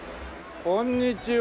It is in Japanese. こんにちは。